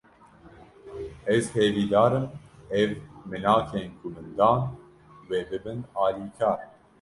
Ez hevîdarim ev minakên ku min dan, wê bibin alîkar